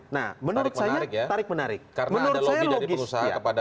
nah menurut saya tarik menarik karena ada logi dari pengusaha kepada